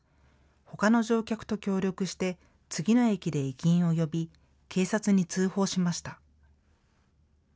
ほかの乗客と協力して、次の駅で駅員を呼び、警察に通報しました。